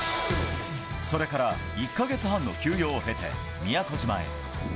それから１か月半の休養を経て、宮古島へ。